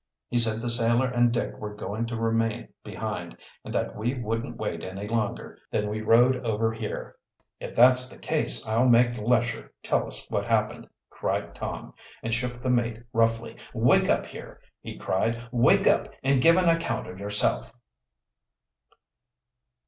He said the sailor and Dick were going to remain behind, and that we wouldn't wait any longer. Then we rowed over here." "If that's the case I'll make Lesher tell us what happened," cried Tom, and shook the mate roughly. "Wake up here!" he cried. "Wake up and give an account of yourself!"